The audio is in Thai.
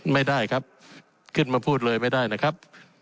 ไม่ได้ครับขึ้นมาพูดเลยไม่ได้นะครับ